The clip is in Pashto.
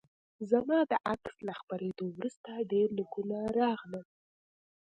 زما د عکس له خپریدو وروسته ډیر لیکونه راغلل